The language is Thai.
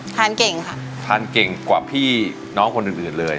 เก่งค่ะทานเก่งกว่าพี่น้องคนอื่นอื่นเลย